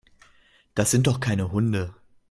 Das sind doch keine Hunde.